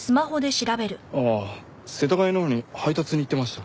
ああ世田谷のほうに配達に行ってました。